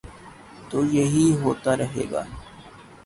تو یہی ہو تا رہے گا۔